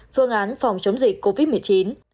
phương án phòng chống dịch covid một mươi chín